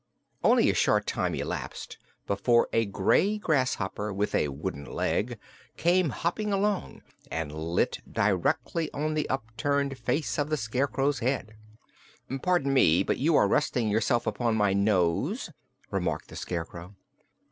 Only a short time elapsed before a gray grasshopper with a wooden leg came hopping along and lit directly on the upturned face of the Scarecrow's head. "Pardon me, but you are resting yourself upon my nose," remarked the Scarecrow.